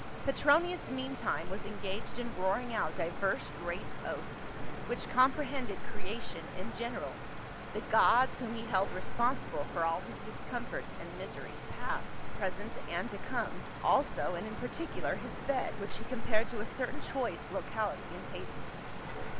Petronius meantime was engaged in roaring out divers great oaths, which com prehended creation in general, the gods, whom he held responsible for all his discomforts and miseries past. 168 PA UL. present, and to come, also and in particular his bed, which he compared to a certain choice locality in Hades.